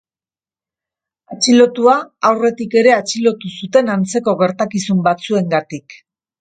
Atxilotua aurretik ere atxilotu zuten antzeko gertakizun batzuengatik.